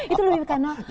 itu lebih karena rimbus ya